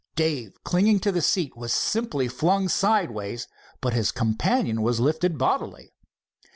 Dave, clinging to the seat, was simply flung sideways, but his companion was lifted bodily.